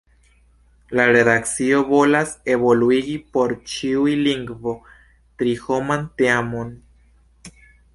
La redakcio volas evoluigi por ĉiu lingvo tri-homan teamon.